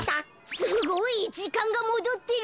すごい！じかんがもどってる。